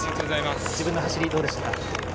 自分の走り、どうでしたか。